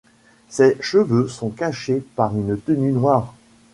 Ses cheveux sont cachés par une tenue noire.